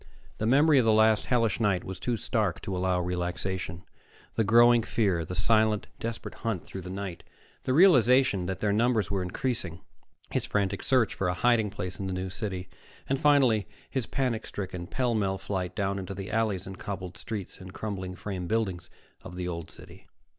The memory of the last hellish night was too stark to allow relaxation the growing fear, the silent, desperate hunt through the night; the realization that their numbers were increasing; his frantic search for a hiding place in the New City; and finally his panic stricken, pell mell flight down into the alleys and cobbled streets and crumbling frame buildings of the Old City....